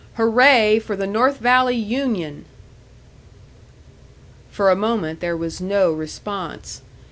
Hooray for the North Valley union!" For a moment there was no response.